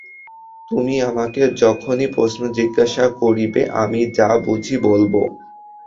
তুমি আমাকে যখনই প্রশ্ন জিজ্ঞাসা করবে আমি যা বুঝি বলব।